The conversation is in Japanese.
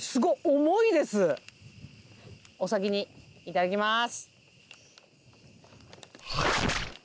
お先にいただきます。